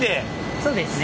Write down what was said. そうですね。